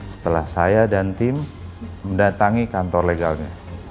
setelah saya dan tim mendatangi kantor legalnya